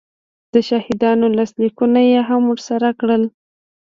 د شاهدانو لاسلیکونه یې هم ورسره کړل